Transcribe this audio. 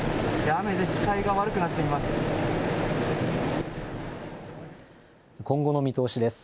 雨で、視界が悪くなっています。